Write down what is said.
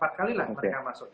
yang empat kali lah mereka masuk